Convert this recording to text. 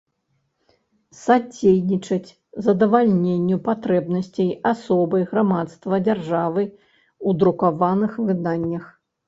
Садзейнiчаць задавальненню патрэбнасцей асобы, грамадства, дзяржавы ў друкаваных выданнях.